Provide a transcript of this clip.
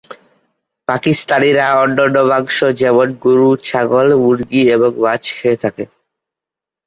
পাকিস্তানিরা অন্যান্য মাংস যেমন গরু, ছাগল, মুরগী এবং মাছ খেয়ে থাকে।